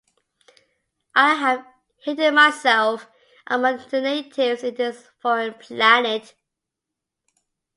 I have hidden myself among the natives in this foreign planet.